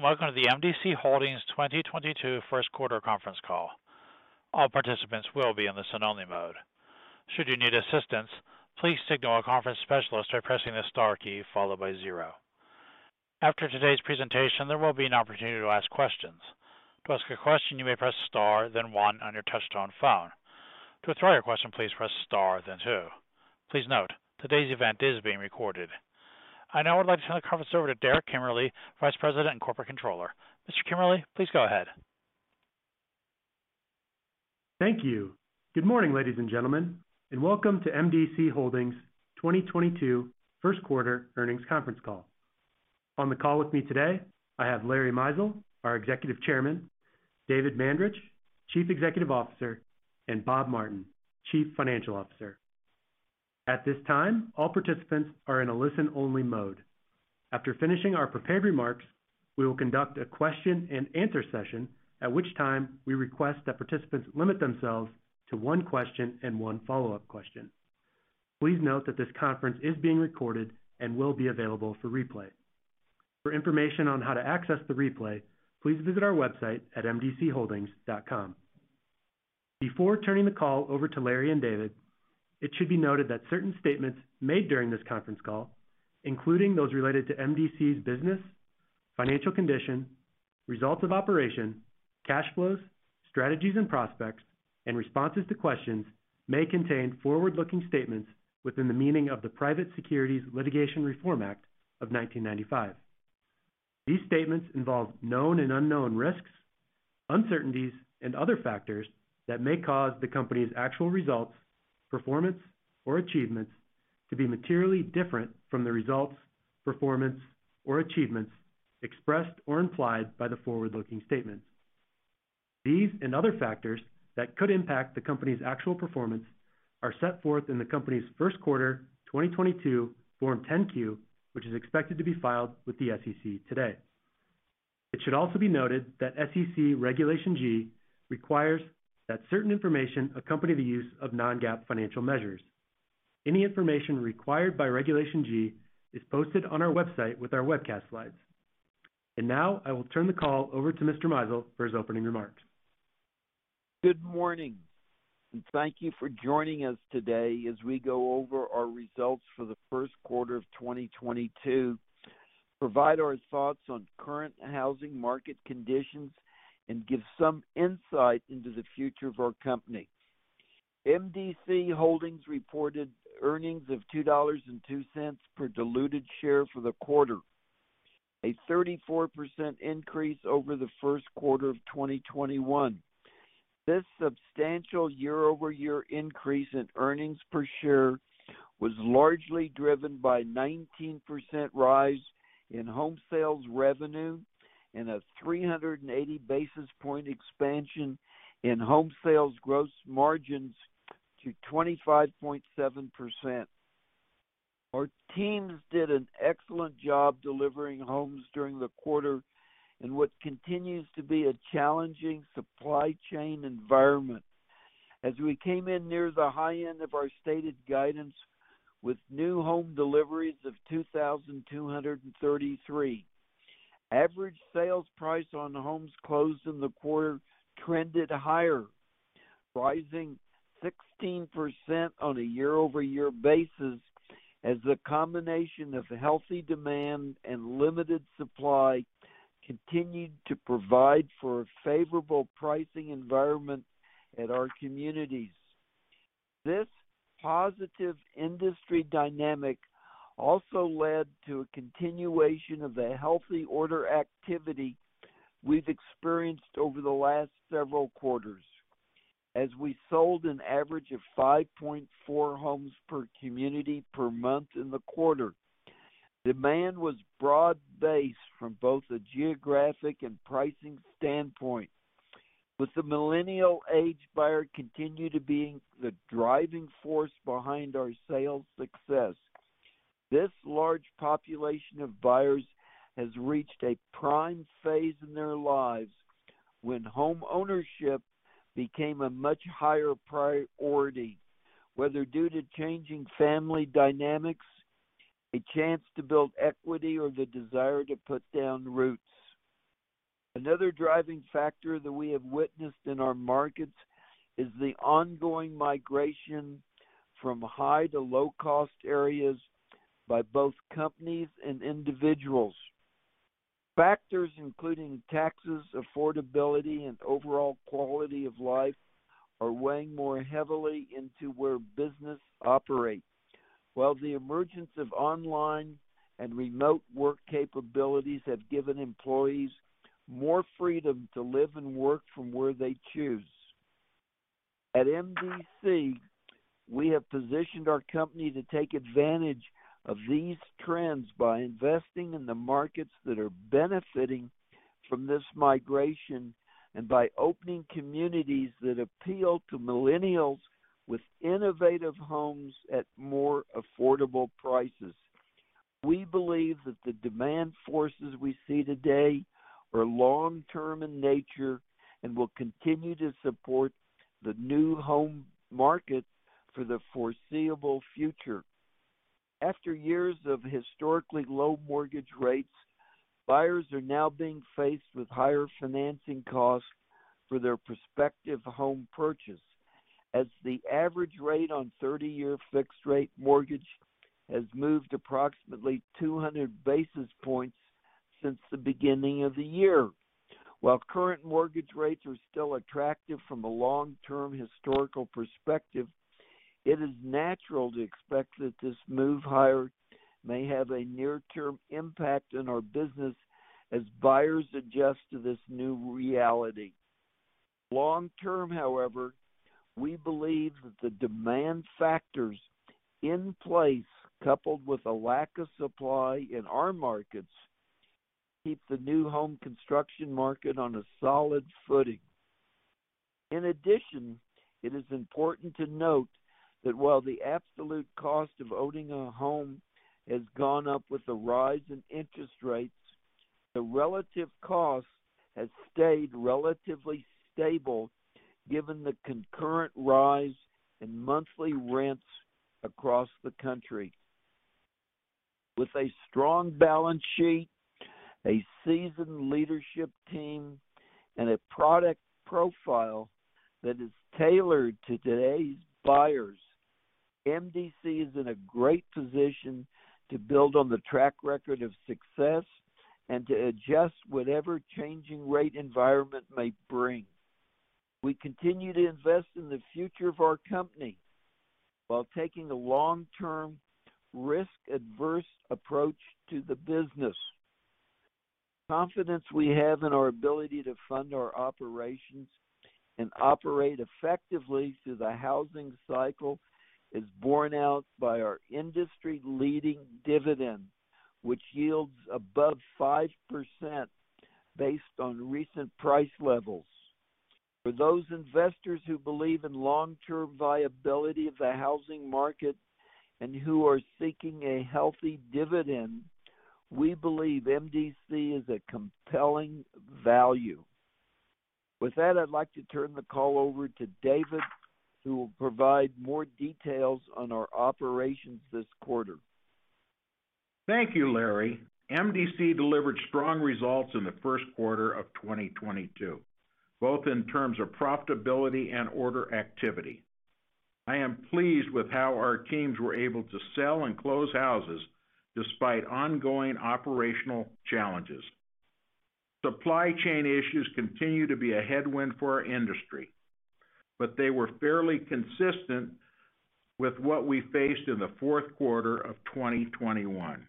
Welcome to the M.D.C. Holdings 2022 Q1 conference call. All participants will be in the listen-only mode. Should you need assistance, please signal a conference specialist by pressing the star key followed by zero. After today's presentation, there will be an opportunity to ask questions. To ask a question, you may press star then one on your touchtone phone. To withdraw your question, please press star then two. Please note, today's event is being recorded. I now would like to turn the conference over to Derek Kimmerle, Vice President and Corporate Controller. Mr. Kimmerle, please go ahead. Thank you. Good morning, ladies and gentlemen, and welcome to MDC Holdings' 2022 Q1 earnings conference call. On the call with me today, I have Larry Mizel, our Executive Chairman, David Mandarich, Chief Executive Officer, and Bob Martin, Chief Financial Officer. At this time, all participants are in a listen-only mode. After finishing our prepared remarks, we will conduct a question-and-answer session, at which time we request that participants limit themselves to one question and one follow-up question. Please note that this conference is being recorded and will be available for replay. For information on how to access the replay, please visit our website at mdcholdings.com. Before turning the call over to Larry and David, it should be noted that certain statements made during this conference call, including those related to MDC's business, financial condition, results of operation, cash flows, strategies and prospects, and responses to questions may contain forward-looking statements within the meaning of the Private Securities Litigation Reform Act of 1995. These statements involve known and unknown risks, uncertainties, and other factors that may cause the company's actual results, performance, or achievements to be materially different from the results, performance, or achievements expressed or implied by the forward-looking statements. These and other factors that could impact the company's actual performance are set forth in the company's first quarter 2022 Form 10-Q, which is expected to be filed with the SEC today. It should also be noted that SEC Regulation G requires that certain information accompany the use of non-GAAP financial measures. Any information required by Regulation G is posted on our website with our webcast slides. Now I will turn the call over to Mr. Mizel for his opening remarks. Good morning and thank you for joining us today as we go over our results for the Q1 of 2022, provide our thoughts on current housing market conditions, and give some insight into the future of our company. MDC Holdings reported earnings of $2.02 per diluted share for the quarter, a 34% increase over the Q1 of 2021. This substantial year-over-year increase in earnings per share was largely driven by 19% rise in home sales revenue and a 380-basis point expansion in home sales gross margins to 25.7%. Our teams did an excellent job delivering homes during the quarter in what continues to be a challenging supply chain environment as we came in near the high end of our stated guidance with new home deliveries of 2,233. Average sales price on homes closed in the quarter trended higher, rising 16% on a year-over-year basis as the combination of healthy demand and limited supply continued to provide for a favorable pricing environment at our communities. This positive industry dynamic also led to a continuation of the healthy order activity we've experienced over the last several quarters as we sold an average of 5.4 homes per community per month in the quarter. Demand was broad-based from both a geographic and pricing standpoint, with the millennial age buyer continuing to be the driving force behind our sales success. This large population of buyers has reached a prime phase in their lives when homeownership became a much higher priority, whether due to changing family dynamics, a chance to build equity, or the desire to put down roots. Another driving factor that we have witnessed in our markets is the ongoing migration from high to low-cost areas by both companies and individuals. Factors including taxes, affordability, and overall quality of life are weighing more heavily into where businesses operate, while the emergence of online and remote work capabilities have given employees more freedom to live and work from where they choose. At MDC, we have positioned our company to take advantage of these trends by investing in the markets that are benefiting from this migration and by opening communities that appeal to millennials with innovative homes at more affordable prices. We believe that the demand forces we see today are long-term in nature and will continue to support the new home market for the foreseeable future. After years of historically low mortgage rates, buyers are now being faced with higher financing costs for their prospective home purchase, as the average rate on 30-year fixed-rate mortgage has moved approximately 200 basis points since the beginning of the year. While current mortgage rates are still attractive from a long-term historical perspective, it is natural to expect that this move higher may have a near-term impact in our business as buyers adjust to this new reality. Long-term, however, we believe that the demand factors in place, coupled with a lack of supply in our markets, keep the new home construction market on a solid footing. In addition, it is important to note that while the absolute cost of owning a home has gone up with the rise in interest rates, the relative cost has stayed relatively stable given the concurrent rise in monthly rents across the country. With a strong balance sheet, a seasoned leadership team, and a product profile that is tailored to today's buyers, MDC is in a great position to build on the track record of success and to adjust whatever changing rate environment may bring. We continue to invest in the future of our company while taking a long-term risk-averse approach to the business. Confidence we have in our ability to fund our operations and operate effectively through the housing cycle is borne out by our industry-leading dividend, which yields above 5% based on recent price levels. For those investors who believe in long-term viability of the housing market and who are seeking a healthy dividend, we believe MDC is a compelling value. With that, I'd like to turn the call over to David, who will provide more details on our operations this quarter. Thank you, Larry. MDC delivered strong results in the Q1 of 2022, both in terms of profitability and order activity. I am pleased with how our teams were able to sell and close houses despite ongoing operational challenges. Supply chain issues continue to be a headwind for our industry, but they were fairly consistent with what we faced in the Q4 of 2021.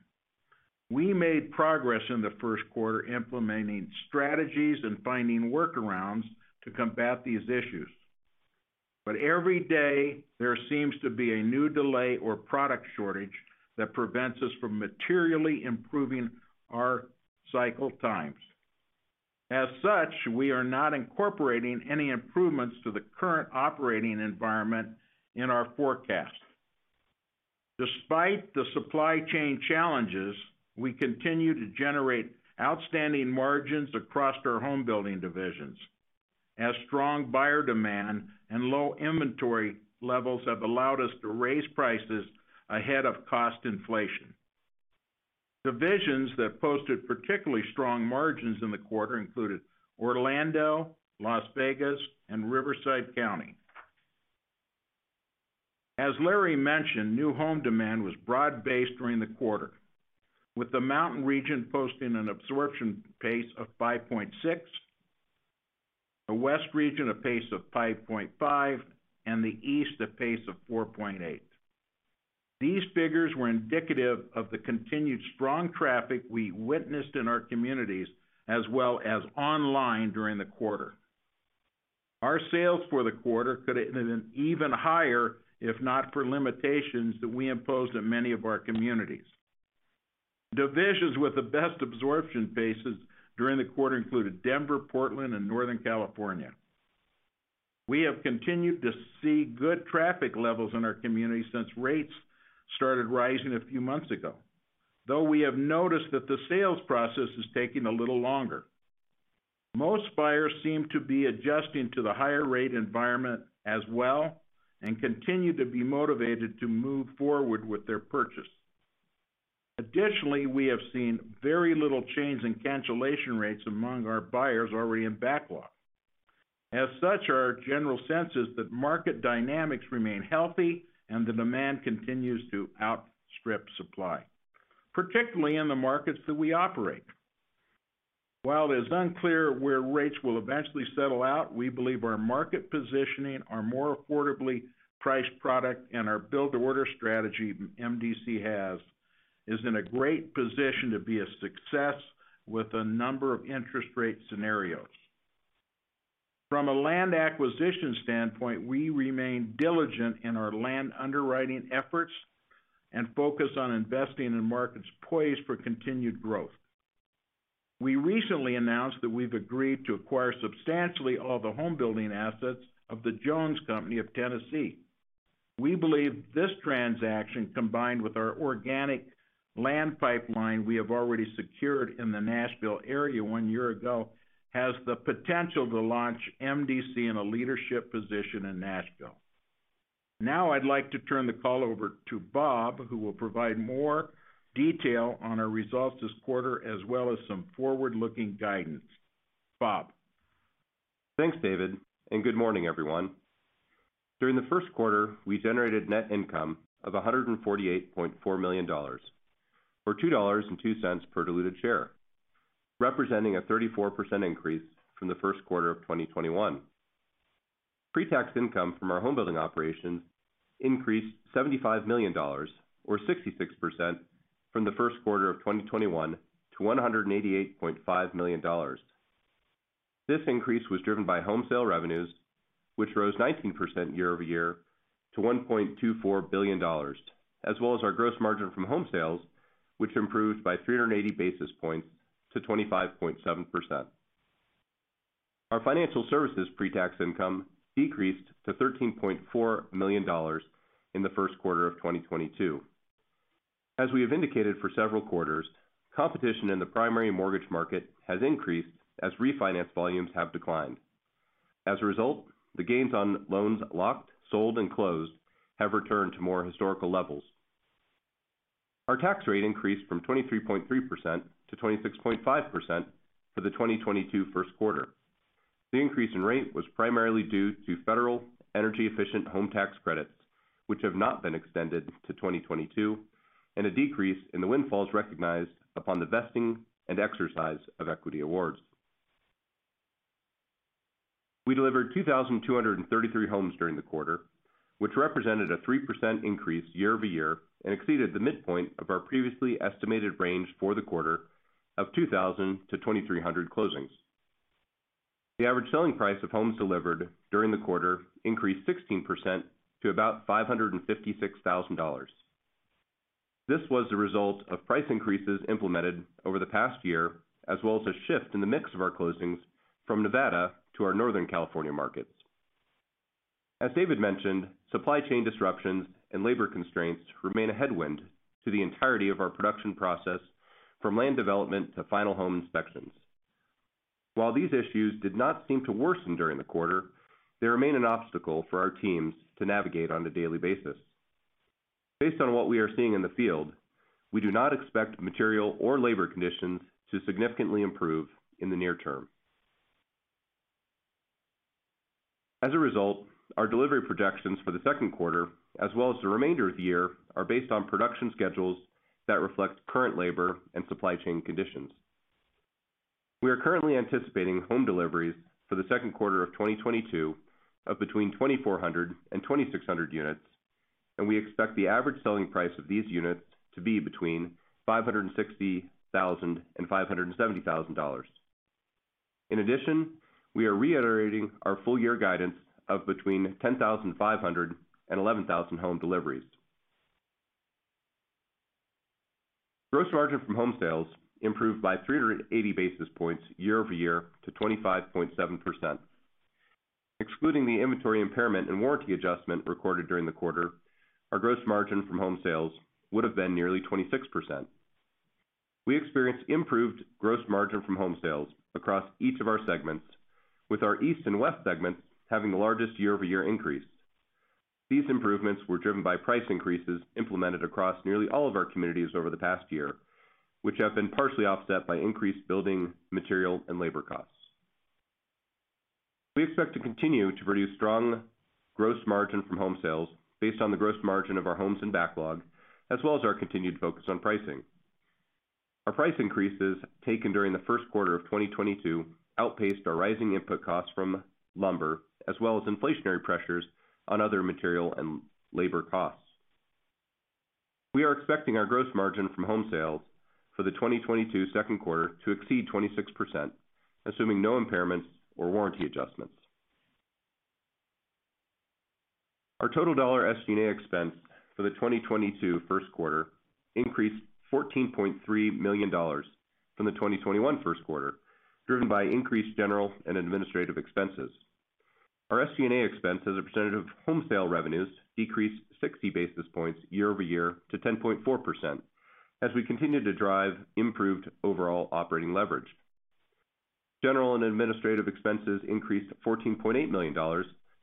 We made progress in the Q1 implementing strategies and finding workarounds to combat these issues. Every day, there seems to be a new delay or product shortage that prevents us from materially improving our cycle times. As such, we are not incorporating any improvements to the current operating environment in our forecast. Despite the supply chain challenges, we continue to generate outstanding margins across our home building divisions, as strong buyer demand and low inventory levels have allowed us to raise prices ahead of cost inflation. Divisions that posted particularly strong margins in the quarter included Orlando, Las Vegas, and Riverside County. As Larry mentioned, new home demand was broad-based during the quarter, with the Mountain region posting an absorption pace of 5.6, the West region a pace of 5.5, and the East a pace of 4.8. These figures were indicative of the continued strong traffic we witnessed in our communities as well as online during the quarter. Our sales for the quarter could have been even higher if not for limitations that we imposed on many of our communities. Divisions with the best absorption paces during the quarter included Denver, Portland, and Northern California. We have continued to see good traffic levels in our communities since rates started rising a few months ago, though we have noticed that the sales process is taking a little longer. Most buyers seem to be adjusting to the higher rate environment as well and continue to be motivated to move forward with their purchase. Additionally, we have seen very little change in cancellation rates among our buyers already in backlog. As such, our general sense is that market dynamics remain healthy and the demand continues to outstrip supply, particularly in the markets that we operate. While it is unclear where rates will eventually settle out, we believe our market positioning, our more affordably priced product, and our build-to-order strategy that MDC has is in a great position to be a success with a number of interest rate scenarios. From a land acquisition standpoint, we remain diligent in our land underwriting efforts and focus on investing in markets poised for continued growth. We recently announced that we've agreed to acquire substantially all the home building assets of The Jones Company of Tennessee. We believe this transaction, combined with our organic land pipeline we have already secured in the Nashville area one year ago, has the potential to launch MDC in a leadership position in Nashville. Now I'd like to turn the call over to Bob, who will provide more detail on our results this quarter, as well as some forward-looking guidance. Bob? Thanks, David, and good morning, everyone. During the Q1, we generated net income of $148.4 million or $2.02 per diluted share, representing a 34% increase from the Q1 of 2021. Pre-tax income from our home building operations increased $75 million or 66% from the Q1 of 2021 to $188.5 million. This increase was driven by home sale revenues, which rose 19% year-over-year to $1.24 billion, as well as our gross margin from home sales, which improved by 380 basis points to 25.7%. Our financial services pre-tax income decreased to $13.4 million in the Q1 of 2022. As we have indicated for several quarters, competition in the primary mortgage market has increased as refinance volumes have declined. As a result, the gains on loans locked, sold, and closed have returned to more historical levels. Our tax rate increased from 23.3% to 26.5% for the 2022 Q1. The increase in rate was primarily due to federal energy efficient home tax credits, which have not been extended to 2022, and a decrease in the windfalls recognized upon the vesting and exercise of equity awards. We delivered 2,233 homes during the quarter, which represented a 3% increase year over year and exceeded the midpoint of our previously estimated range for the quarter of 2,000-2,300 closings. The average selling price of homes delivered during the quarter increased 16% to about $556,000. This was the result of price increases implemented over the past year, as well as a shift in the mix of our closings from Nevada to our Northern California markets. As David mentioned, supply chain disruptions and labor constraints remain a headwind to the entirety of our production process, from land development to final home inspections. While these issues did not seem to worsen during the quarter, they remain an obstacle for our teams to navigate on a daily basis. Based on what we are seeing in the field, we do not expect material or labor conditions to significantly improve in the near term. As a result, our delivery projections for the Q2 as well as the remainder of the year are based on production schedules that reflect current labor and supply chain conditions. We are currently anticipating home deliveries for the Q2 of 2022 of between 2,400 and 2,600 units, and we expect the average selling price of these units to be between $560,000 and $570,000. In addition, we are reiterating our full year guidance of between 10,500 and 11,000 home deliveries. Gross margin from home sales improved by 380 basis points year-over-year to 25.7%. Excluding the inventory impairment and warranty adjustment recorded during the quarter, our gross margin from home sales would have been nearly 26%. We experienced improved gross margin from home sales across each of our segments, with our East and West segments having the largest year-over-year increase. These improvements were driven by price increases implemented across nearly all of our communities over the past year, which have been partially offset by increased building material and labor costs. We expect to continue to produce strong gross margin from home sales based on the gross margin of our homes and backlog, as well as our continued focus on pricing. Our price increases taken during the Q1 of 2022 outpaced our rising input costs from lumber, as well as inflationary pressures on other material and labor costs. We are expecting our gross margin from home sales for the 2022 Q2 to exceed 26%, assuming no impairments or warranty adjustments. Our total dollar SG&A expense for the 2022 Q1 increased $14.3 million from the 2021 Q1, driven by increased general and administrative expenses. Our SG&A expense as a percentage of home sale revenues decreased 60 basis points year-over-year to 10.4% as we continued to drive improved overall operating leverage. General and administrative expenses increased $14.8 million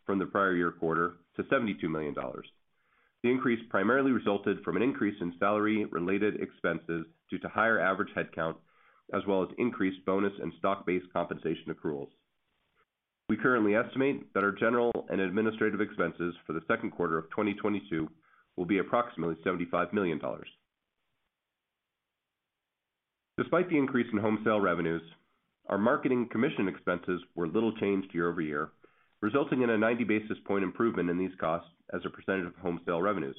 from the prior year quarter to $72 million. The increase primarily resulted from an increase in salary related expenses due to higher average headcount, as well as increased bonus and stock-based compensation accruals. We currently estimate that our general and administrative expenses for the Q2 of 2022 will be approximately $75 million. Despite the increase in home sale revenues, our marketing commission expenses were little changed year-over-year, resulting in a 90 basis point improvement in these costs as a percentage of home sale revenues.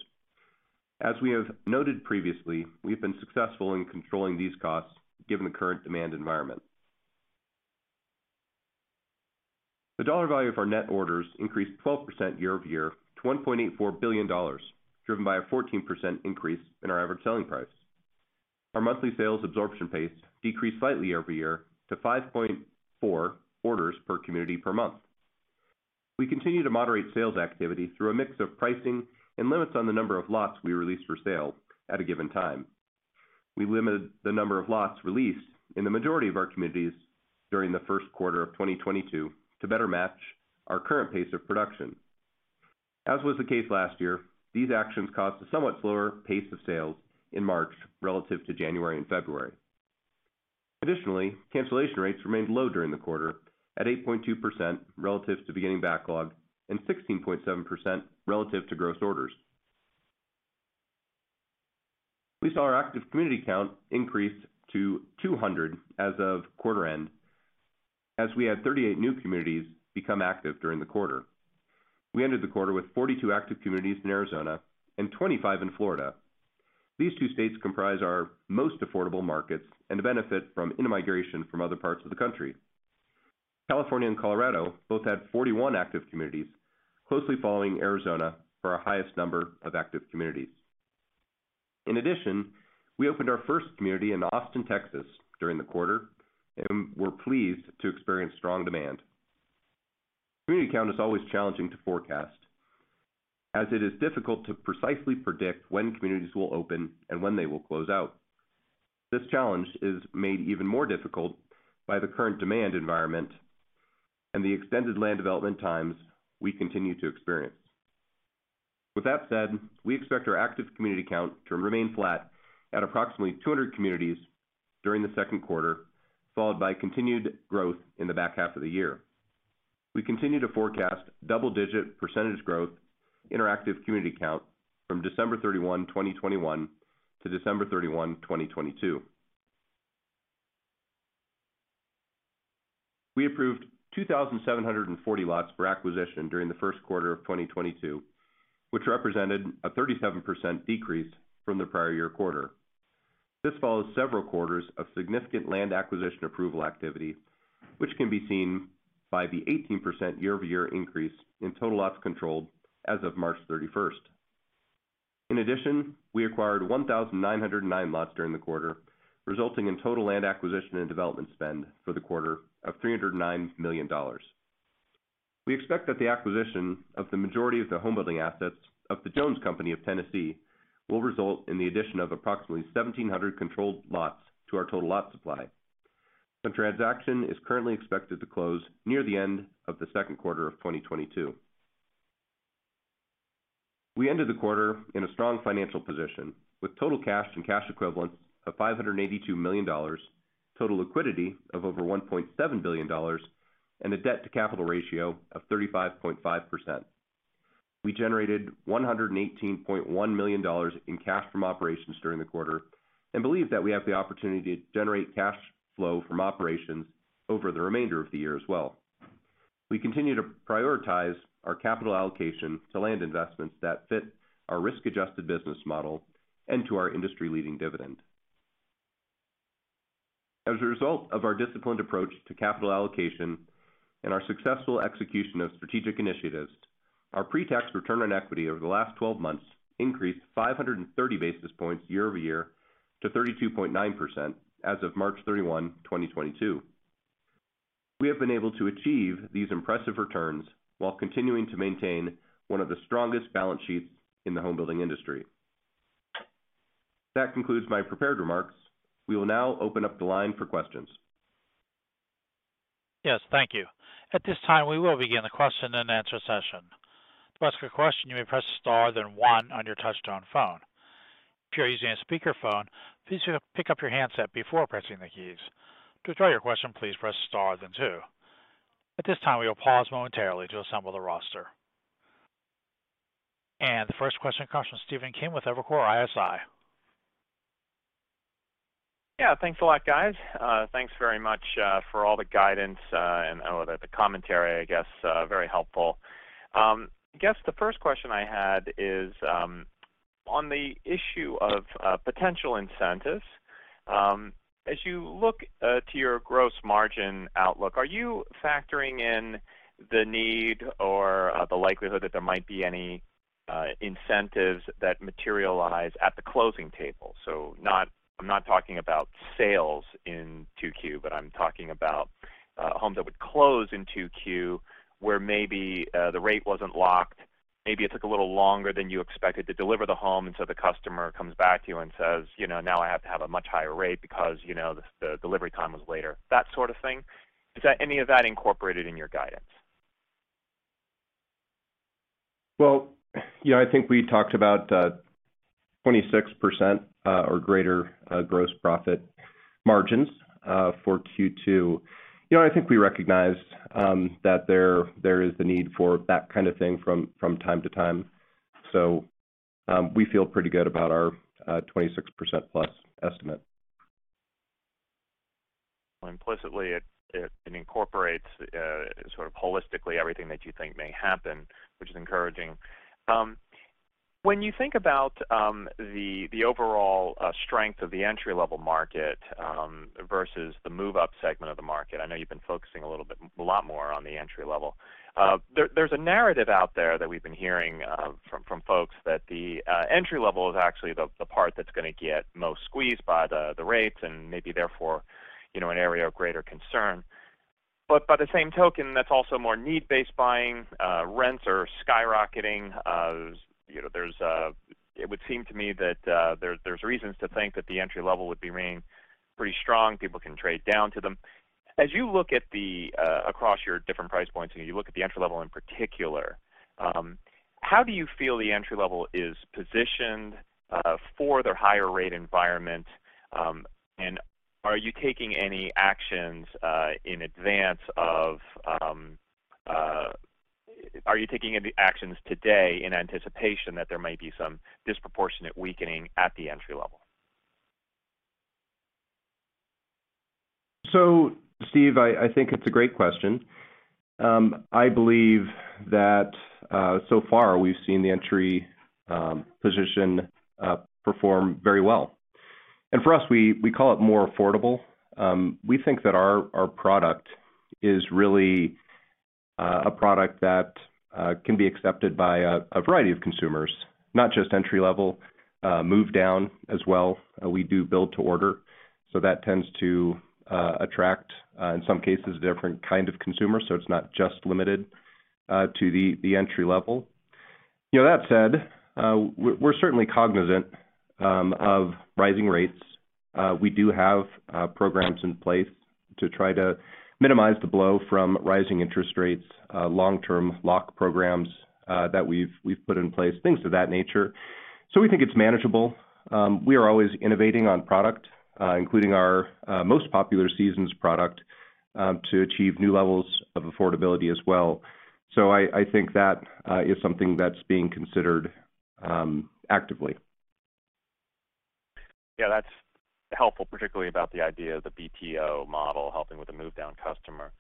As we have noted previously, we've been successful in controlling these costs given the current demand environment. The dollar value of our net orders increased 12% year-over-year to $1.84 billion, driven by a 14% increase in our average selling price. Our monthly sales absorption pace decreased slightly year-over-year to 5.4 orders per community per month. We continue to moderate sales activity through a mix of pricing and limits on the number of lots we release for sale at a given time. We limited the number of lots released in the majority of our communities during the Q1 of 2022 to better match our current pace of production. As was the case last year, these actions caused a somewhat slower pace of sales in March relative to January and February. Additionally, cancellation rates remained low during the quarter at 8.2% relative to beginning backlog and 16.7% relative to gross orders. We saw our active community count increase to 200 as of quarter end as we had 38 new communities become active during the quarter. We ended the quarter with 42 active communities in Arizona and 25 in Florida. These two states comprise our most affordable markets and benefit from in-migration from other parts of the country. California and Colorado both had 41 active communities, closely following Arizona for our highest number of active communities. In addition, we opened our first community in Austin, Texas, during the quarter, and we're pleased to experience strong demand. Community count is always challenging to forecast as it is difficult to precisely predict when communities will open and when they will close out. This challenge is made even more difficult by the current demand environment and the extended land development times we continue to experience. With that said, we expect our active community count to remain flat at approximately 200 communities during the Q2, followed by continued growth in the back half of the year. We continue to forecast double-digit % growth in our active community count from December 31st, 2021, to December 31st, 2022. We approved 2,740 lots for acquisition during the Q1 of 2022, which represented a 37% decrease from the prior year quarter. This follows several quarters of significant land acquisition approval activity, which can be seen by the 18% year-over-year increase in total lots controlled as of March 31st. In addition, we acquired 1,909 lots during the quarter, resulting in total land acquisition and development spend for the quarter of $309 million. We expect that the acquisition of the majority of the homebuilding assets of The Jones Company of Tennessee will result in the addition of approximately 1,700 controlled lots to our total lot supply. The transaction is currently expected to close near the end of the Q2 of 2022. We ended the quarter in a strong financial position, with total cash and cash equivalents of $582 million, total liquidity of over $1.7 billion, and a debt-to-capital ratio of 35.5%. We generated $118.1 million in cash from operations during the quarter and believe that we have the opportunity to generate cash flow from operations over the remainder of the year as well. We continue to prioritize our capital allocation to land investments that fit our risk-adjusted business model and to our industry-leading dividend. As a result of our disciplined approach to capital allocation and our successful execution of strategic initiatives, our pre-tax return on equity over the last twelve months increased 530 basis points year-over-year to 32.9% as of March 31st, 2022. We have been able to achieve these impressive returns while continuing to maintain one of the strongest balance sheets in the home building industry. That concludes my prepared remarks. We will now open up the line for questions. Yes, thank you. At this time, we will begin the question and answer session. To ask a question, you may press star then one on your touchtone phone. If you're using a speakerphone, please pick up your handset before pressing the keys. To withdraw your question, please press star then two. At this time, we will pause momentarily to assemble the roster. The first question comes from Stephen Kim with Evercore ISI. Yeah. Thanks a lot, guys. Thanks very much for all the guidance and all the commentary, I guess, very helpful. I guess the first question I had is on the issue of potential incentives as you look to your gross margin outlook. Are you factoring in the need or the likelihood that there might be any incentives that materialize at the closing table? I'm not talking about sales in 2Q, but I'm talking about homes that would close in 2Q, where maybe the rate wasn't locked. Maybe it took a little longer than you expected to deliver the home, and so the customer comes back to you and says, "You know, now I have to have a much higher rate because, you know, the delivery time was later," that sort of thing. Is that any of that incorporated in your guidance? Well, you know, I think we talked about 26% or greater gross profit margins for Q2. You know, I think we recognized that there is the need for that kind of thing from time to time. We feel pretty good about our 26%+ estimate. Well, implicitly it incorporates sort of holistically everything that you think may happen, which is encouraging. When you think about the overall strength of the entry-level market versus the move-up segment of the market, I know you've been focusing a little bit, a lot more on the entry level. There's a narrative out there that we've been hearing from folks that the entry level is actually the part that's going to get most squeezed by the rates and maybe therefore, you know, an area of greater concern. By the same token, that's also more need-based buying. Rents are skyrocketing. You know, it would seem to me that there's reasons to think that the entry-level would be remaining pretty strong. People can trade down to them. As you look at the Across your different price points, and you look at the entry-level in particular, how do you feel the entry-level is positioned for their higher rate environment? Are you taking any actions today in anticipation that there might be some disproportionate weakening at the entry-level? Steve, I think it's a great question. I believe that so far, we've seen the entry position perform very well. For us, we call it more affordable. We think that our product is really a product that can be accepted by a variety of consumers, not just entry-level, move down as well. We do build-to-order, so that tends to attract in some cases, different kind of consumers, so it's not just limited to the entry level. You know, that said, we're certainly cognizant of rising rates. We do have programs in place to try to minimize the blow from rising interest rates, long-term lock programs that we've put in place, things of that nature. We think it's manageable. We are always innovating on product, including our most popular Seasons product, to achieve new levels of affordability as well. I think that is something that's being considered actively. Yeah, that's helpful, particularly about the idea of the BTO model helping with the move-down customer.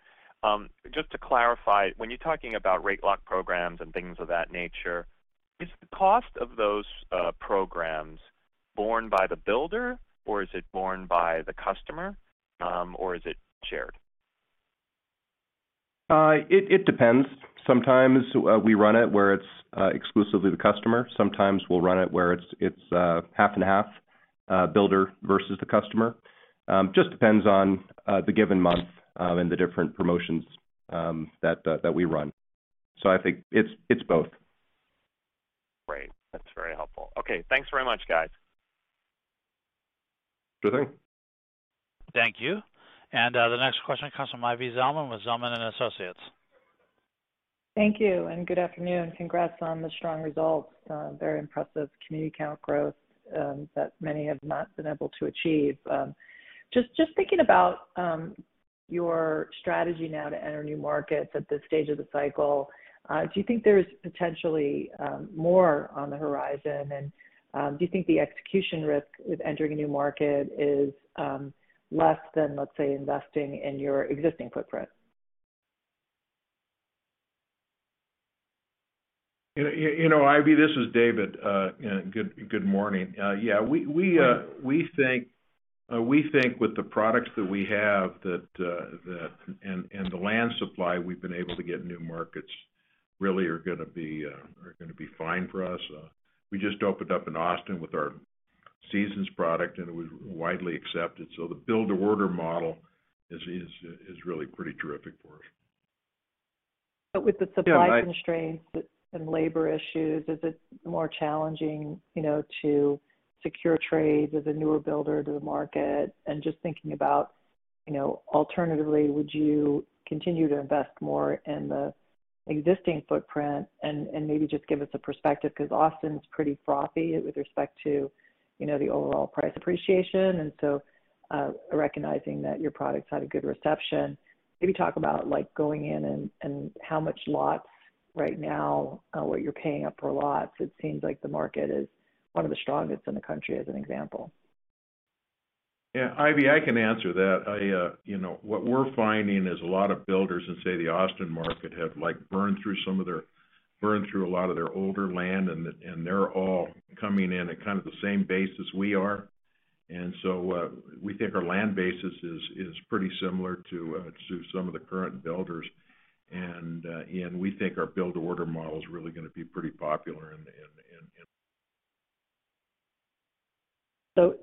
Just to clarify, when you're talking about rate lock programs and things of that nature, is the cost of those programs borne by the builder or is it borne by the customer, or is it shared? It depends. Sometimes we run it where it's exclusively the customer. Sometimes we'll run it where it's half and half, builder versus the customer. Just depends on the given month and the different promotions that we run. I think it's both. Great. That's very helpful. Okay. Thanks very much, guys. Sure thing. Thank you. The next question comes from Ivy Zelman with Zelman & Associates. Thank you, and good afternoon. Congrats on the strong results, very impressive community count growth, that many have not been able to achieve. Just thinking about your strategy now to enter new markets at this stage of the cycle, do you think there's potentially more on the horizon? Do you think the execution risk with entering a new market is less than, let's say, investing in your existing footprint? You know, Ivy, this is David. Yeah, good morning. Yeah, we think with the products that we have that and the land supply we've been able to get, new markets really are going to be fine for us. We just opened up in Austin with our Seasons product, and it was widely accepted. The build-to-order model is really pretty terrific for us. With the supply constraints and labor issues, is it more challenging, you know, to secure trades as a newer builder to the market? Just thinking about, you know, alternatively, would you continue to invest more in the existing footprint and maybe just give us a perspective because Austin's pretty frothy with respect to, you know, the overall price appreciation. Recognizing that your products had a good reception, maybe talk about like going in and how much lots right now, what you're paying up for lots. It seems like the market is one of the strongest in the country as an example. Yeah, Ivy, I can answer that. You know, what we're finding is a lot of builders in, say, the Austin market have, like, burned through a lot of their older land, and they're all coming in at kind of the same base as we are. We think our land basis is pretty similar to some of the current builders. We think our build-to-order model is really going to be pretty popular in,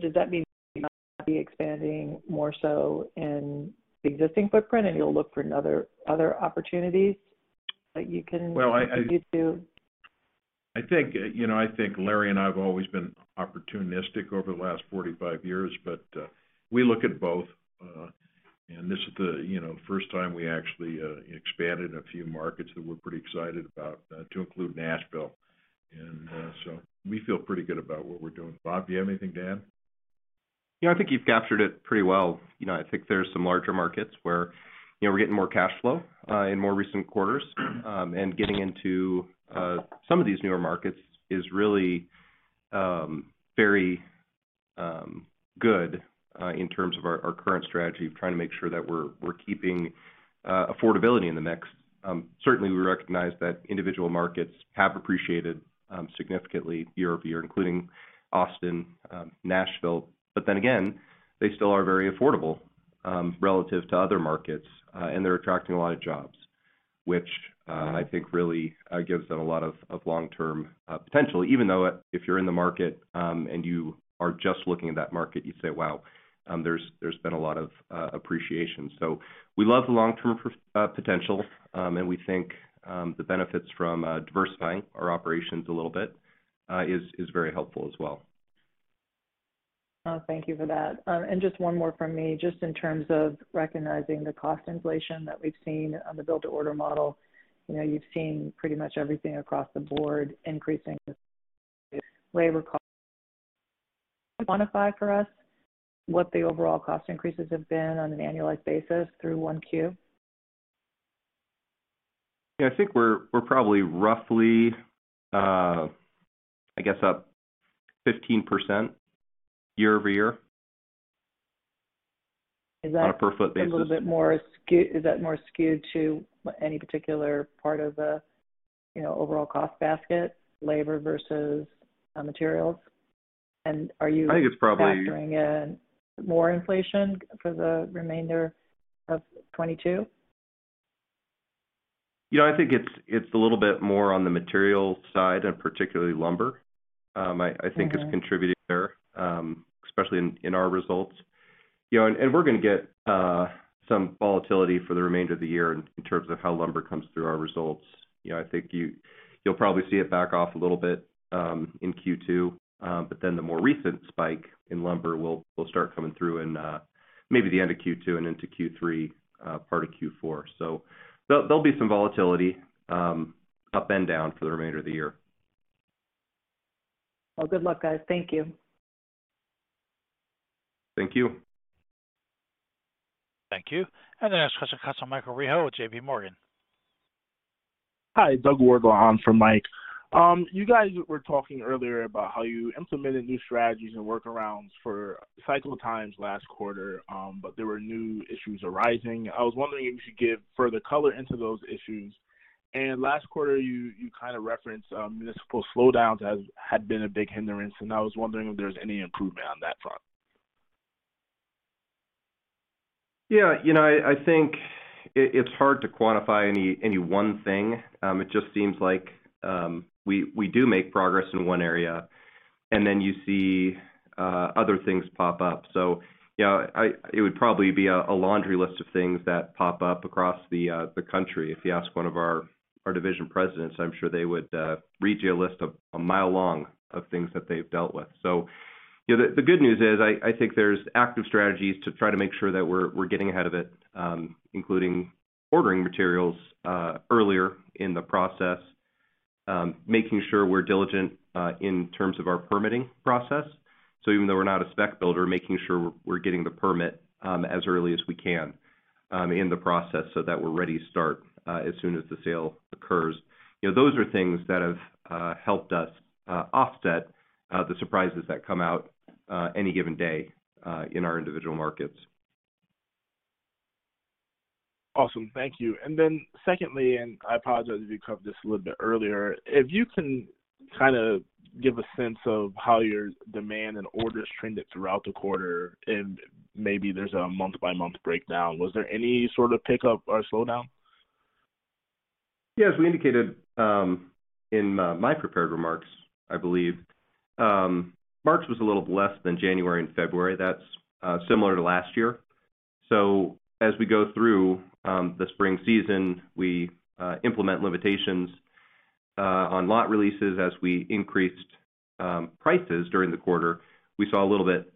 Does that mean you'll not be expanding more so in the existing footprint, and you'll look for other opportunities that you can continue to? Well, I think, you know, Larry and I have always been opportunistic over the last 45 years, but we look at both. This is, you know, the first time we actually expanded a few markets that we're pretty excited about to include Nashville. We feel pretty good about what we're doing. Bob, do you have anything to add? Yeah. I think you've captured it pretty well. You know, I think there's some larger markets where, you know, we're getting more cash flow in more recent quarters. Getting into some of these newer markets is really very good in terms of our current strategy of trying to make sure that we're keeping affordability in the mix. Certainly, we recognize that individual markets have appreciated significantly year-over-year, including Austin, Nashville. They still are very affordable, relative to other markets, and they're attracting a lot of jobs. Which, I think really, gives it a lot of long-term potential, even though if you're in the market, and you are just looking at that market, you'd say, "Wow, there's been a lot of appreciation." We love the long-term potential, and we think the benefits from diversifying our operations a little bit is very helpful as well. Thank you for that. Just one more from me. Just in terms of recognizing the cost inflation that we've seen on the build-to-order model, you know, you've seen pretty much everything across the board increasing labor costs. Can you quantify for us what the overall cost increases have been on an annualized basis through 1Q? Yeah, I think we're probably roughly, I guess, up 15% year-over-year. Is that? On a per foot basis. a little bit more skewed, is that more skewed to any particular part of the, you know, overall cost basket, labor versus materials? Are you- I think it's probably. factoring in more inflation for the remainder of 2022? Yeah, I think it's a little bit more on the material side and particularly lumber, I think. Mm-hmm Is contributing there, especially in our results. You know, we're going to get some volatility for the remainder of the year in terms of how lumber comes through our results. You know, I think you'll probably see it back off a little bit in Q2, but then the more recent spike in lumber will start coming through in maybe the end of Q2 and into Q3, part of Q4. There'll be some volatility up and down for the remainder of the year. Well, good luck, guys. Thank you. Thank you. Thank you. The next question comes from Michael Rehaut with J.P. Morgan. Hi, Doug Wardlaw on for Mike. You guys were talking earlier about how you implemented new strategies and workarounds for cycle times last quarter, but there were new issues arising. I was wondering if you could give further color into those issues. Last quarter you kind of referenced municipal slowdowns as had been a big hindrance, and I was wondering if there's any improvement on that front. Yeah. You know, I think it's hard to quantify any one thing. It just seems like we do make progress in one area, and then you see other things pop up. You know, it would probably be a laundry list of things that pop up across the country. If you ask one of our division presidents, I'm sure they would read you a list a mile long of things that they've dealt with. You know, the good news is, I think there's active strategies to try to make sure that we're getting ahead of it, including ordering materials earlier in the process, making sure we're diligent in terms of our permitting process. Even though we're not a spec builder, making sure we're getting the permit as early as we can in the process so that we're ready to start as soon as the sale occurs. You know, those are things that have helped us offset the surprises that come out any given day in our individual markets. Awesome. Thank you. Secondly, and I apologize if you covered this a little bit earlier, if you can kind of give a sense of how your demand and orders trended throughout the quarter, and maybe there's a month-by-month breakdown. Was there any sort of pickup or slowdown? Yeah. As we indicated in my prepared remarks, I believe March was a little less than January and February. That's similar to last year. As we go through the spring season, we implement limitations on lot releases. As we increased prices during the quarter, we saw a little bit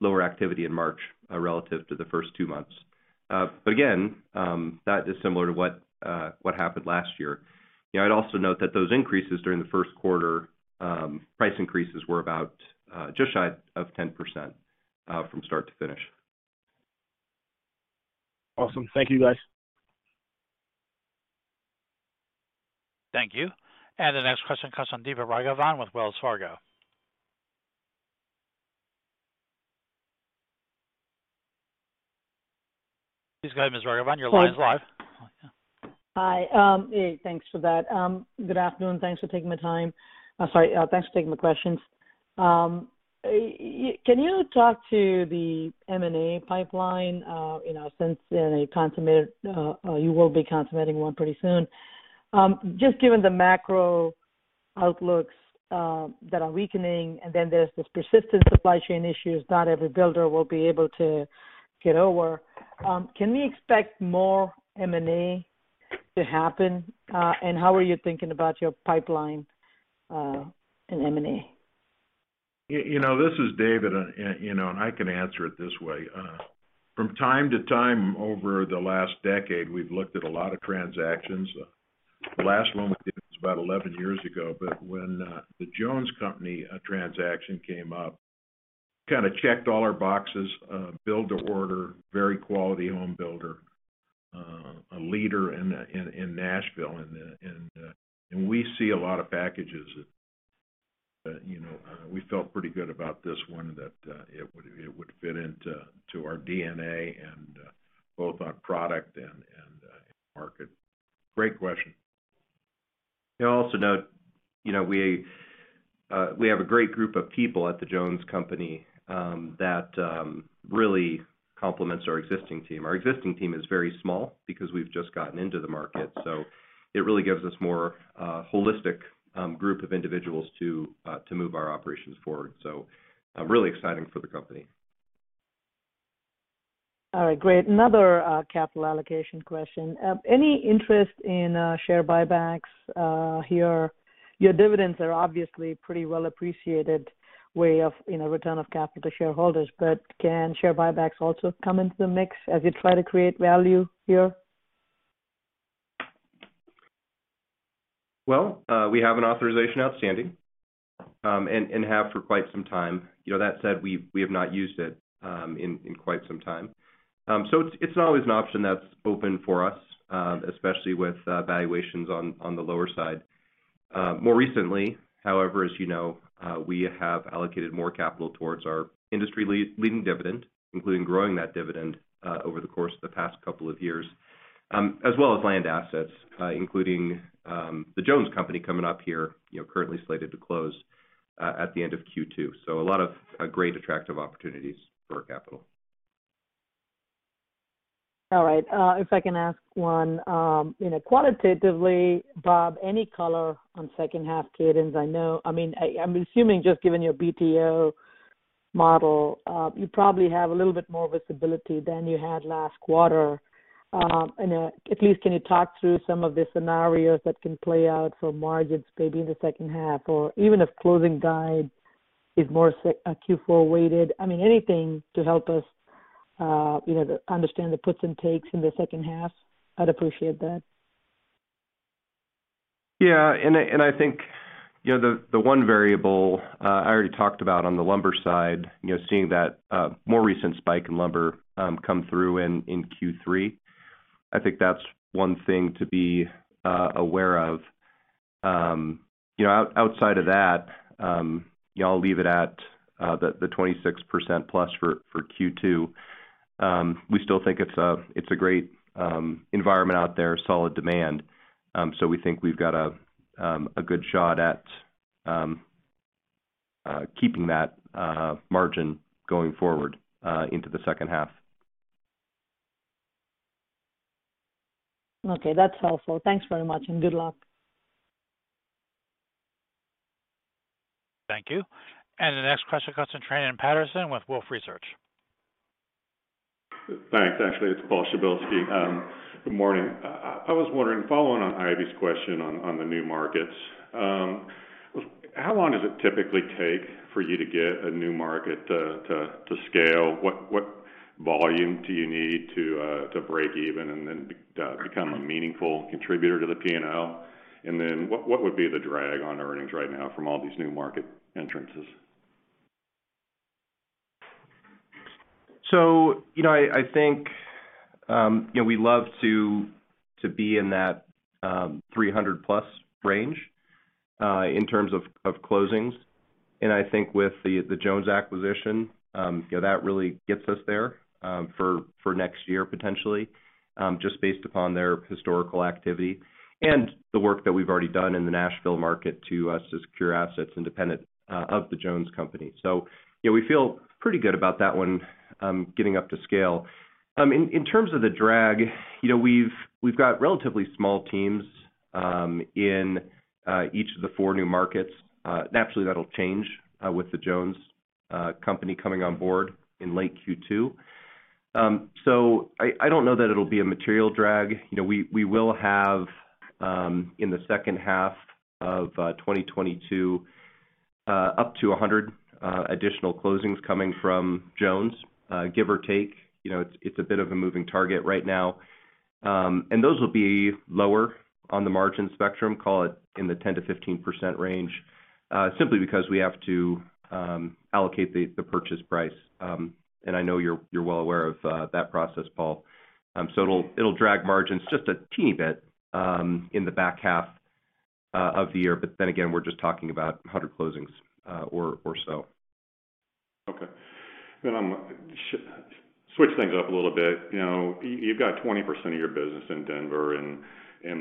lower activity in March relative to the first two months. Again, that is similar to what happened last year. You know, I'd also note that those increases during the Q1, price increases were about just shy of 10% from start to finish. Awesome. Thank you, guys. Thank you. The next question comes from Deepa Raghavan with Wells Fargo. Please go ahead, Ms. Raghavan. Your line's live. Hi. Hey, thanks for that. Good afternoon. Thanks for taking the time. Sorry, thanks for taking my questions. Can you talk to the M&A pipeline? You know, since then you consummated, or you will be consummating one pretty soon. Just given the macro-outlooks that are weakening and then there's this persistent supply chain issues not every builder will be able to get over, can we expect more M&A to happen? How are you thinking about your pipeline in M&A? You know, this is David. You know, I can answer it this way. From time to time over the last decade, we've looked at a lot of transactions. The last one we did was about 11 years ago, but when the Jones Company, a transaction came up, kind of checked all our boxes, build to order, very quality home builder, a leader in Nashville. We see a lot of packages that, you know, we felt pretty good about this one, that it would fit into our DNA and both on product and market. Great question. Yeah. I also note, you know, we have a great group of people at The Jones Company that really complements our existing team. Our existing team is very small because we've just gotten into the market, so it really gives us more holistic group of individuals to move our operations forward. Really exciting for the company. All right. Great. Another capital allocation question. Any interest in share buybacks here? Your dividends are obviously pretty well appreciated way of, you know, return of capital to shareholders, but can share buybacks also come into the mix as you try to create value here? Well, we have an authorization outstanding, and have for quite some time. You know, that said, we have not used it in quite some time. It's always an option that's open for us, especially with valuations on the lower side. More recently, however, as you know, we have allocated more capital towards our industry-leading dividend, including growing that dividend over the course of the past couple of years, as well as land assets, including The Jones Company coming up here, you know, currently slated to close at the end of Q2. A lot of great attractive opportunities for our capital. All right. If I can ask one, you know, quantitatively, Bob, any color on H2 cadence? I know. I mean, I'm assuming just given your BTO model, you probably have a little bit more visibility than you had last quarter. At least can you talk through some of the scenarios that can play out for margins maybe in the H2 or even if closing guide is more Q4 weighted. I mean, anything to help us, you know, to understand the puts and takes in the H2, I'd appreciate that. Yeah. I think, you know, the one variable I already talked about on the lumber side, you know, seeing that more recent spike in lumber come through in Q3. I think that's one thing to be aware of. You know, outside of that, yeah, I'll leave it at the 26%+ for Q2. We still think it's a great environment out there, solid demand. We think we've got a good shot at keeping that margin going forward into the H2. Okay. That's all. Thanks very much, and good luck. Thank you. The next question comes in Truman Patterson with Wolfe Research. Thanks. Actually, it's Paul Przybylski. Good morning. I was wondering, following on Ivy's question on the new markets, how long does it typically take for you to get a new market to scale? What volume do you need to break even and then become a meaningful contributor to the P&L? And then what would be the drag on earnings right now from all these new market entrances? I think, you know, we love to be in that 300-plus range in terms of closings. I think with the Jones acquisition, you know, that really gets us there for next year, potentially, just based upon their historical activity and the work that we've already done in the Nashville market to secure assets independent of The Jones Company of Tennessee. You know, we feel pretty good about that one getting up to scale. In terms of the drag, you know, we've got relatively small teams in each of the four new markets. Naturally, that'll change with The Jones Company of Tennessee coming on board in late Q2. I don't know that it'll be a material drag. You know, we will have in the H2 of 2022 up to 100 additional closings coming from Jones, give or take. You know, it's a bit of a moving target right now. Those will be lower on the margin spectrum, call it in the 10%-15% range, simply because we have to allocate the purchase price. I know you're well aware of that process, Paul. It'll drag margins just a teeny bit in the back half of the year. Then again, we're just talking about 100 closings or so. Okay. Switch things up a little bit. You know, you've got 20% of your business in Denver, and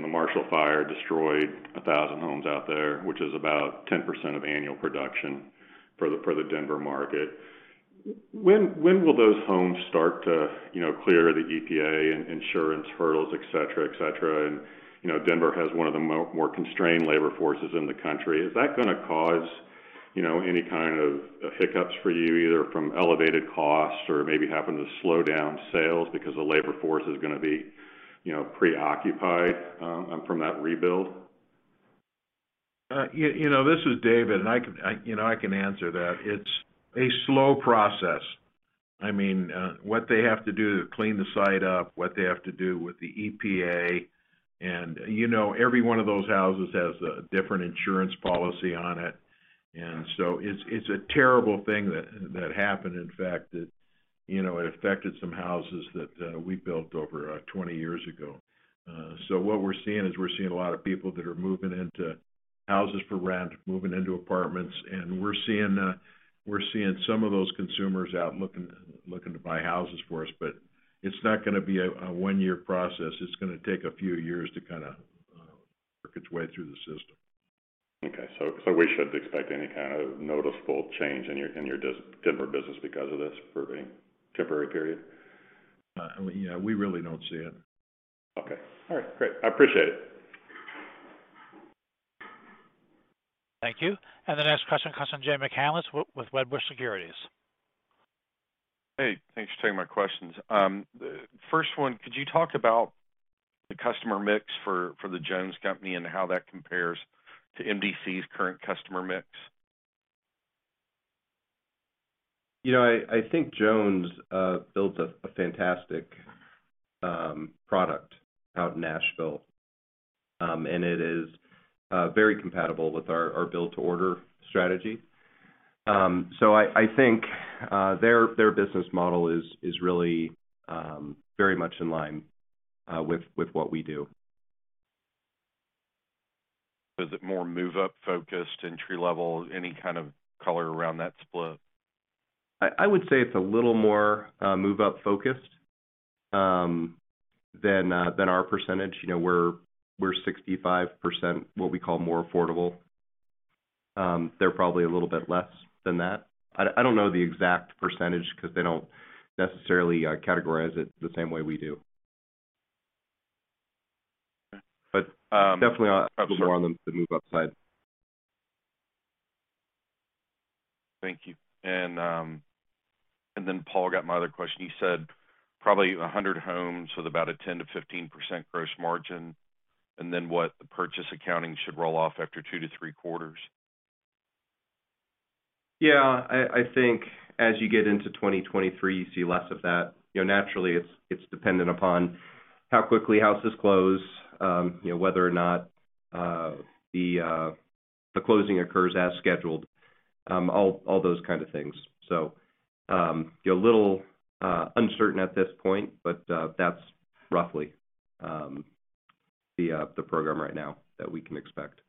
the Marshall Fire destroyed 1,000 homes out there, which is about 10% of annual production for the Denver market. When will those homes start to, you know, clear the EPA and insurance hurdles, et cetera, et cetera? You know, Denver has one of the more constrained labor forces in the country. Is that going to cause, you know, any kind of hiccups for you, either from elevated costs or maybe happen to slow down sales because the labor force is going to be, you know, preoccupied from that rebuild? You know, this is David, and I can answer that. It's a slow process. I mean, what they have to do to clean the site up, what they have to do with the EPA. You know, every one of those houses has a different insurance policy on it. It's a terrible thing that happened. In fact, it affected some houses that we built over 20 years ago. What we're seeing is we're seeing a lot of people that are moving into houses for rent, moving into apartments. We're seeing some of those consumers out looking to buy houses for us. It's not going to be a one-year process. It's going to take a few years to kinda work its way through the system. Okay. We shouldn't expect any kind of noticeable change in your Denever business because of this for a temporary period. Yeah, we really don't see it. Okay. All right, great. I appreciate it. Thank you. The next question comes from Jay McCanless with Wedbush Securities. Hey, thanks for taking my questions. First one, could you talk about the customer mix for the Jones Company and how that compares to MDC's current customer mix? You know, I think Jones builds a fantastic product out in Nashville. It is very compatible with our build-to-order strategy. I think their business model is really very much in line with what we do. Is it more move-up focused, entry-level? Any kind of color around that split? I would say it's a little more move-up focused than our percentage. You know, we're 65% what we call more affordable. They're probably a little bit less than that. I don't know the exact percentage because they don't necessarily categorize it the same way we do. Okay. But, um- Definitely on the move-up side. Thank you. Paul got my other question. You said probably 100 homes with about a 10%-15% gross margin, and then what the purchase accounting should roll off after 2-3 quarters. Yeah. I think as you get into 2023, you see less of that. You know, naturally, it's dependent upon how quickly houses close, you know, whether or not the closing occurs as scheduled, all those kind of things. You're a little uncertain at this point, but that's roughly the program right now that we can expect.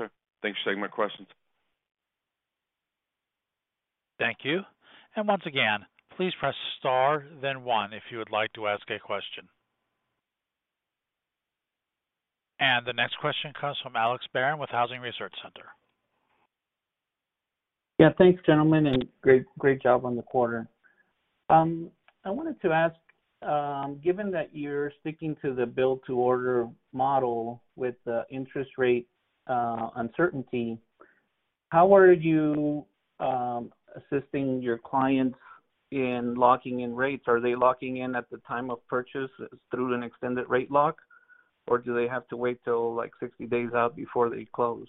Sure. Thanks for taking my questions. Thank you. Once again, please press star then one if you would like to ask a question. The next question comes from Alex Barron with Housing Research Center. Yeah. Thanks, gentlemen, and great job on the quarter. I wanted to ask, given that you're sticking to the build-to-order model with the interest rate uncertainty, how are you assisting your clients in locking in rates? Are they locking in at the time of purchase through an extended rate lock, or do they have to wait till 60 days out before they close?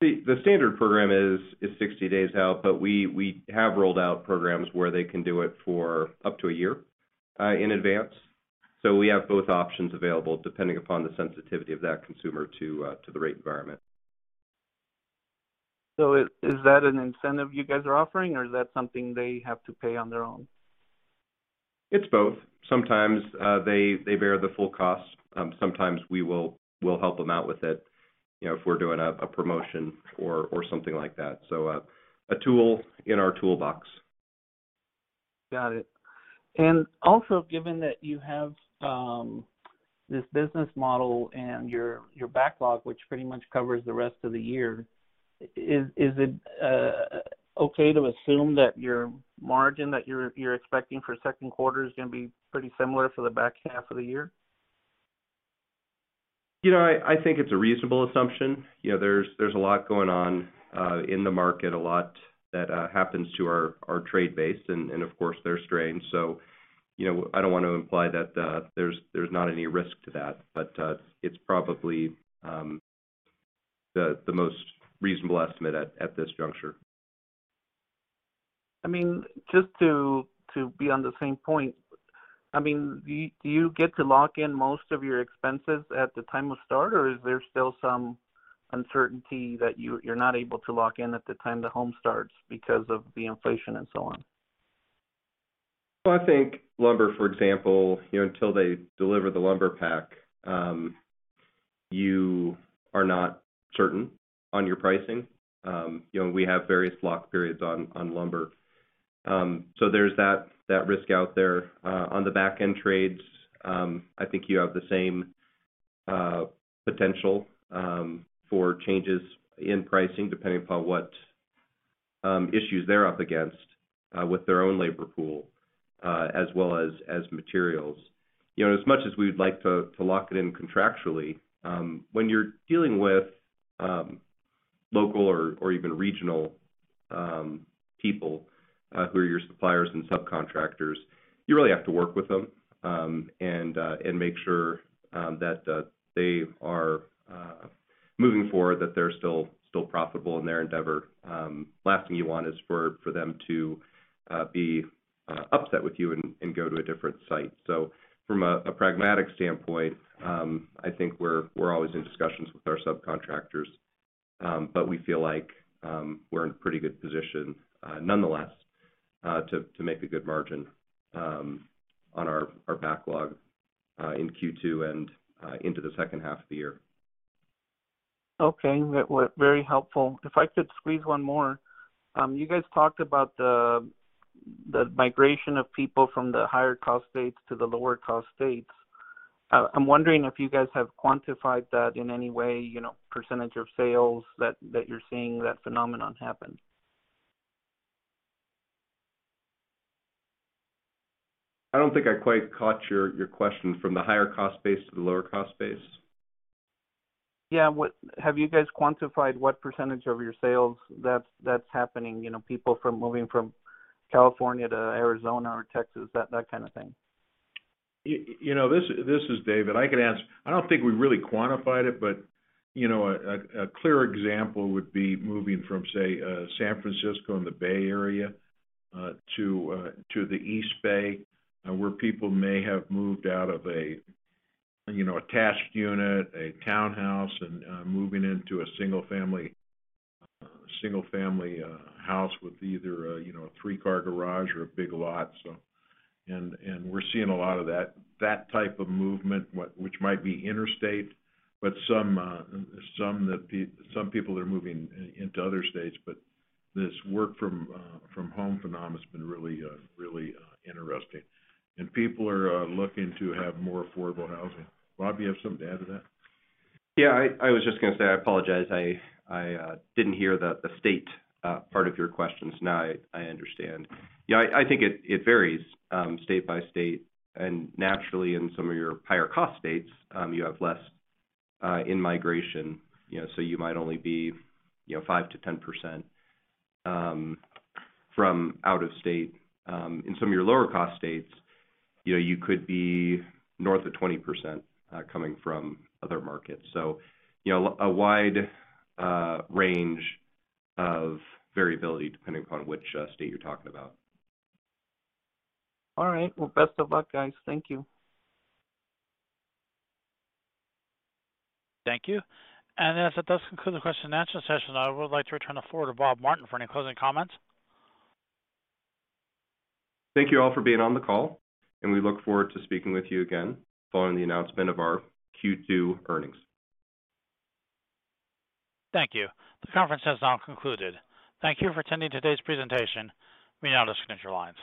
The standard program is 60 days out, but we have rolled out programs where they can do it for up to a year in advance. We have both options available depending upon the sensitivity of that consumer to the rate environment. Is that an incentive you guys are offering or is that something they have to pay on their own? It's both. Sometimes, they bear the full cost. Sometimes we'll help them out with it, you know, if we're doing a promotion or something like that. A tool in our toolbox. Got it. Also, given that you have this business model and your backlog, which pretty much covers the rest of the year, is it okay to assume that your margin that you're expecting for Q2 is going to be pretty similar for the back half of the year? You know, I think it's a reasonable assumption. You know, there's a lot going on in the market, a lot that happens to our trade base and of course, there are strains. You know, I don't want to imply that there's not any risk to that. It's probably the most reasonable estimate at this juncture. I mean, just to be on the same point. I mean, do you get to lock in most of your expenses at the time of start, or is there still some uncertainty that you're not able to lock in at the time the home starts because of the inflation and so on? I think lumber, for example, you know, until they deliver the lumber pack, you are not certain on your pricing. You know, we have various lock periods on lumber. There's that risk out there. On the back-end trades, I think you have the same potential for changes in pricing, depending upon what issues they're up against with their own labor pool, as well as materials. You know, as much as we would like to lock it in contractually, when you're dealing with local or even regional people who are your suppliers and subcontractors, you really have to work with them and make sure that they are moving forward, that they're still profitable in their endeavor. Last thing you want is for them to be upset with you and go to a different site. From a pragmatic standpoint, I think we're always in discussions with our subcontractors. We feel like we're in pretty good position nonetheless to make a good margin on our backlog in Q2 and into the H2 of the year. Okay. That was very helpful. If I could squeeze one more. You guys talked about the migration of people from the higher cost states to the lower cost states. I'm wondering if you guys have quantified that in any way, you know, percentage of sales that you're seeing that phenomenon happen. I don't think I quite caught your question from the higher cost base to the lower cost base. Yeah. Have you guys quantified what percentage of your sales that's happening? You know, people moving from California to Arizona or Texas, that kind of thing. You know, this is David. I can answer. I don't think we really quantified it, but you know, a clear example would be moving from, say, San Francisco and the Bay Area to the East Bay, where people may have moved out of a you know, attached unit, a townhouse, and moving into a single family house with either a you know, a three-car garage or a big lot. We're seeing a lot of that type of movement, which might be interstate, but some people are moving into other states. This work from home phenomenon has been really interesting. People are looking to have more affordable housing. Bob, you have something to add to that? Yeah, I was just going to say, I apologize. I didn't hear the state part of your question. Now I understand. Yeah, I think it varies state by state. Naturally, in some of your higher cost states, you have less in-migration, you know. You might only be, you know, 5%-10% from out of state. In some of your lower cost states, you know, you could be north of 20% coming from other markets. You know, a wide range of variability depending upon which state you're talking about. All right. Well, best of luck, guys. Thank you. Thank you. As that does conclude the question and answer session, I would like to return the floor to Bob Martin for any closing comments. Thank you all for being on the call, and we look forward to speaking with you again following the announcement of our Q2 earnings. Thank you. The conference has now concluded. Thank you for attending today's presentation. You may now disconnect your lines.